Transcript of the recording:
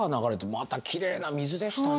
またきれいな水でしたね。